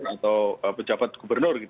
atau pejabat gubernur